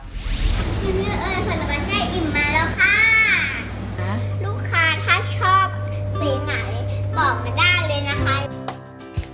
เอ้ยคนละประเทศอิ่มมาแล้วค่ะลูกค้าถ้าชอบสีไหนบอกมาได้เลยนะคะ